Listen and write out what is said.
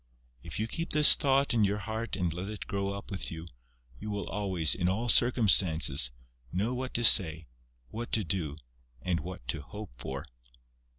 If you keep this thought in your heart and let it grow up with you, you will always, in all circumstances, know what to say, what to do and what to hope for."